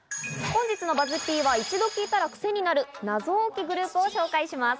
本日のＢＵＺＺ−Ｐは一度聴いたらクセになる謎多きグループを紹介します。